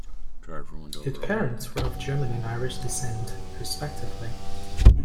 His parents were of German and Irish descent, respectively.